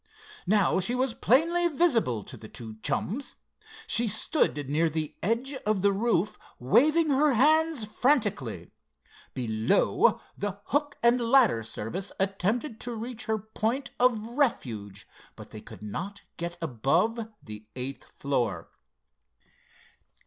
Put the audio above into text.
Now she was plainly visible to the two chums. She stood near the edge of the roof, waving her hands frantically. Below, the hook and ladder service attempted to reach her point of refuge, but they could not get above the eighth floor.